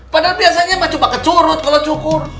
padahal biasanya mah cuma ke curut kalau cukur